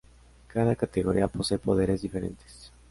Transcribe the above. Cada categoría posee poderes diferentes.